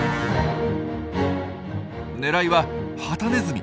狙いはハタネズミ。